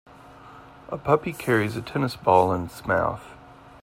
A puppy carries a tennis ball in its mouth.